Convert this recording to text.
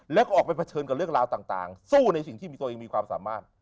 แล้วก็ออกไปเผชิญกับเรื่องราวต่างสู้ในสิ่งที่มีตัวเองมีความสามารถ